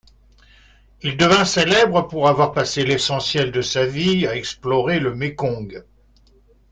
Il devint célèbre pour avoir passé l’essentiel de sa vie à explorer le Mékong.